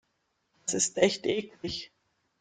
Das ist echt eklig.